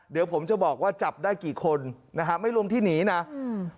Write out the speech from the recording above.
เดี๋ยวผมจะบอกว่าจับได้กี่คนนะฮะไม่รวมที่หนีน่ะอืม